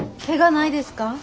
ケガないですか？